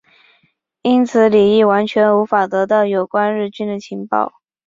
因此李镒完全无法得到有关日军的情报。